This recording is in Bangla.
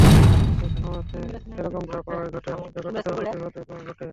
আমাদের জানামতে এরকমটা প্রায়ই ঘটে, ব্যাপারটা দারুণ কৌতূহলোদ্দীপকও বটে।